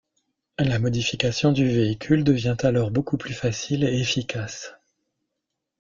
La modification du véhicule devient alors beaucoup plus facile et efficace.